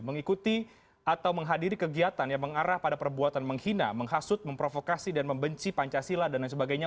mengikuti atau menghadiri kegiatan yang mengarah pada perbuatan menghina menghasut memprovokasi dan membenci pancasila dan lain sebagainya